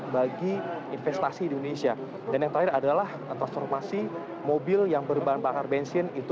bagi investasi di indonesia dan yang terakhir adalah transformasi mobil yang berbahan bakar bensin itu